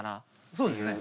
そうですね。